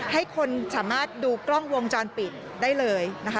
ให้คนสามารถดูกล้องวงจรปิดได้เลยนะคะ